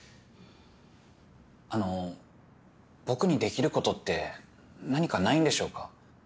あの僕にできることって何かないんでしょうか？